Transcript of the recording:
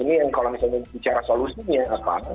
ini kalau misalnya bicara solusinya